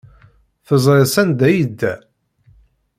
Teẓriḍ sanda ay yedda?